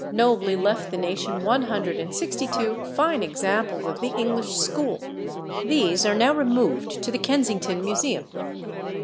nobly left the nation one hundred and sixty two fine examples of the English school. These are now removed to the Kensington Museum.